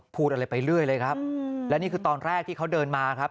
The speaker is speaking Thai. พูดอะไรไปเรื่อยเลยครับและนี่คือตอนแรกที่เขาเดินมาครับ